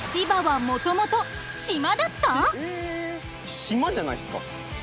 ・島じゃないっすか・